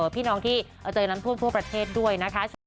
พี่น้องที่เจอน้ำท่วมทั่วประเทศด้วยนะคะ